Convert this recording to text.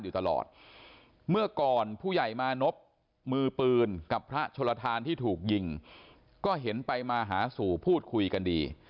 ฟื้นปืนกับพระโชลทานที่ถูกยิงก็เห็นไปมหาสู่พูดคุยกันดี